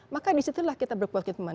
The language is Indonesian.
maka disitulah kita berpulih ke teman